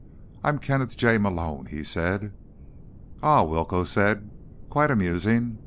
"I'm Kenneth J. Malone," he said. "Ah," Willcoe said. "Quite amusing.